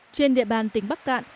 trên địa bàn tỉnh bắc tạn